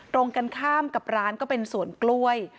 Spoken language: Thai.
ตรงกันข้ามกับร้านก็เป็นสวนกล้วย